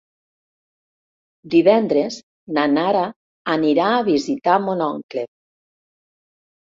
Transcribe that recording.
Divendres na Nara anirà a visitar mon oncle.